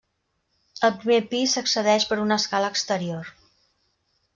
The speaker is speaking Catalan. Al primer pis s'accedeix per una escala exterior.